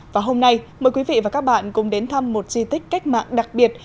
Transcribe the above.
và hôm nay mời quý vị và các bạn cùng đến thăm một di tích cách mạng đặc biệt